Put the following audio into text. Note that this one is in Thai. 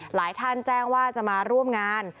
หลายท่านแจ้งว่าจะมาร่วมงาน